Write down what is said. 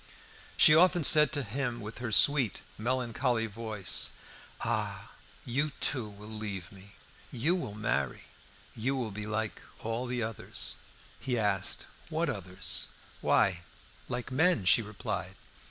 She often said to him, with her sweet, melancholy voice "Ah! you too, you will leave me! You will marry! You will be like all the others." He asked, "What others?" "Why, like all men," she replied.